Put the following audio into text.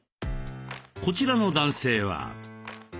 こちらの男性は。